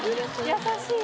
優しい。